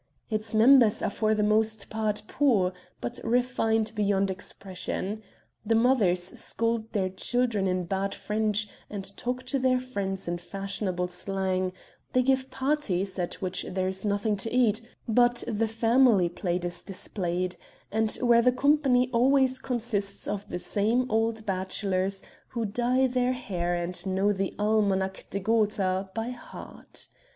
Its members are for the most part poor, but refined beyond expression. The mothers scold their children in bad French and talk to their friends in fashionable slang; they give parties, at which there is nothing to eat but the family plate is displayed, and where the company always consists of the same old bachelors who dye their hair and know the Almanack de Gotha by heart.